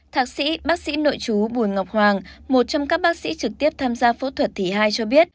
thạc sĩ bác sĩ nội chú bùi ngọc hoàng một trong các bác sĩ trực tiếp tham gia phẫu thuật thì hai cho biết